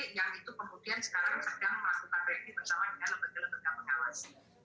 yang itu kemudian sekarang sedang melakukan revie bersama dengan lembaga lembaga pengawas